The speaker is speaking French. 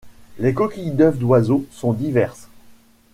Les coquilles d’œufs d'oiseaux sont diverses.